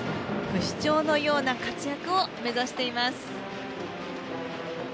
不死鳥のような活躍を目指しています。